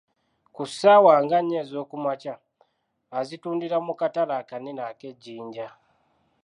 Ku ssaawa nga nnya ez'okumakya, azitundira mu Katale akanene ak'e Jinja.